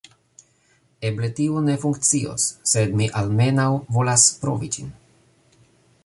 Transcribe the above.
Eble tiu ne funkcios sed mi almenaŭ volas provi ĝin